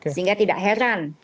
sehingga tidak heran